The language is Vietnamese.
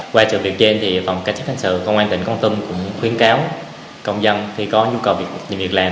qua trường việc trên thì phòng các chức hành sự công an tỉnh kon tum cũng khuyến cáo công dân khi có nhu cầu việc làm